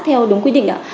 theo đúng quy định